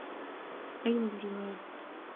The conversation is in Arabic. أين الجنود ؟